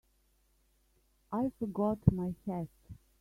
I forgot my hat.